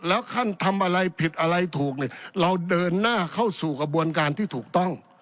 แล้วท่านทำอะไรผิดอะไรถูกเนี่ยเราเดินหน้าเข้าสู่กระบวนการที่ถูกต้อง